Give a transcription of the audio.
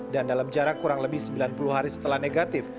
dan dalam jarak kurang lebih sembilan puluh hari setelah negatif